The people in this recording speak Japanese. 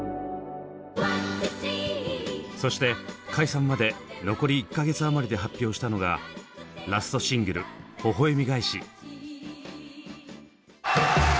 そして解散まで残り１か月余りで発表したのがラストシングル「微笑がえし」。